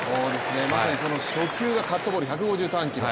まさにその初球がカットボール、１５３キロ。